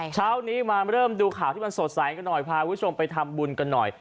เช้านี้มาเริ่มดูข่าวที่มันสดใสกันหน่อยพาคุณผู้ชมไปทำบุญกันหน่อย